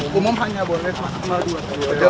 cuma dibatasi dua periode